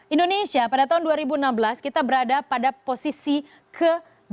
indonesia pada tahun dua ribu enam belas kita berada pada posisi ke dua puluh